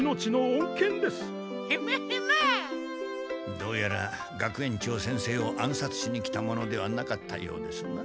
どうやら学園長先生を暗さつしに来た者ではなかったようですな。